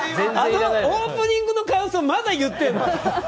オープニングの感想、まだ言ってんの！？